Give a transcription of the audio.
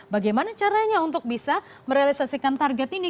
bagaimana caranya untuk bisa merealisasikan target ini